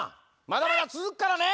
まだまだつづくからね！